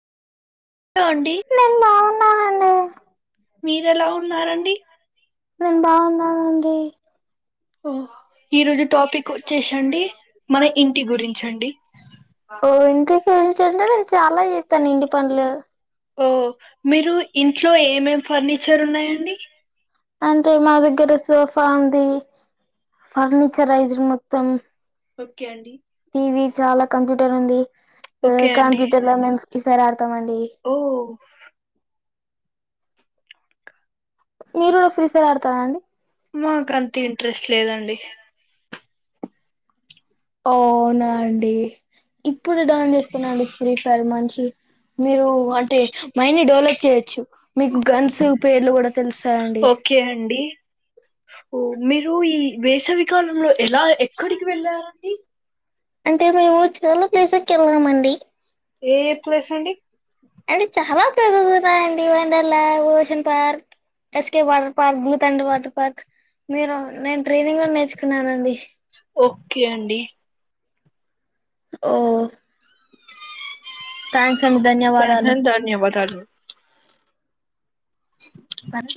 Hello అండి నేను బాగున్నాను మీరెలా ఉన్నారండి నేను బాగున్నానండి. ఓ ఈ రోజు టాపిక్ వచ్చేసండి మన ఇంటి గురించండి. ఓ ఇంటి పం గురించి అంటే నేను చాలా చేస్తాను ఇంటి పనులు ఓ మీరు ఇంట్లో ఏమేం ఫర్నిచర్ ఉన్నాయండి? అంటే మా దగ్గర సోఫా ఉంది. ఫర్నిచరజర్ మొత్తం ఓకే అండి టీవి, చాలా కంప్యూటర్ ఉంది. ఓ ఓకే అండి కంప్యూటర్ ల మేం ఫ్రీ ఫైర్ ఆడతామండి. ఓ మీరు కూడా ఫ్రీ ఫైర్ ఆడతారా అండి. మాకంత ఇంట్రెస్ట్ లేదండి. అవునా అండి ఇప్పుడు డాన్ చేసుకున్నాండి ప్రీ ఫర్ మంచి మీరు అంటే మై ని డెవలప్ చేయ్యొచ్చు మీకు గన్స్ పేర్లు కూడా తెలుస్తాయండి. కే అండి ఓ మీరు ఈ వేసవికాలంలో ఎలా ఎక్కడికి వెళ్ళారండి. అంటే మేము చోల ప్లేసెకి వెళ్ళామండి. ఏ ఏ ప్లేస్ అండి. అంటే చాలా ప్లేస్ వున్నాయ్ అండి. వండర్ ల, Ocean Park, SK water park, బూతండ్ర వాటర్ పార్క్. మీరు నేను ట్రైనింగ్ కూడా నేర్చుకున్నానండి. ఓకే అండి. ఓ థ్యాంక్స్ అండి థాంక్స్ ధన్యవాదాలు అండి ధన్యవాదాలు. అనగ